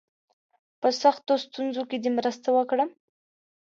په سختو ستونزو کې دي مرسته وکړم.